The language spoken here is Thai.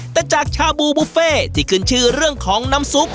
แต่จากชาบูบุฟเฟ่ที่ขึ้นชื่อเรื่องของน้ำซุป